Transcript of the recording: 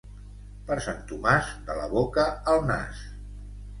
Per Sant Tomàs, de la boca al nas.